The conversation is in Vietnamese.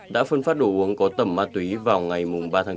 đã phân phát đồ uống có tầm ma túy vào ngày ba tháng bốn